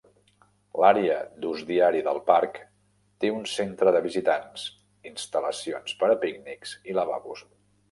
L"àrea d"ús diari del parc té un centre de visitants, instal·lacions per a pícnics i lavabos.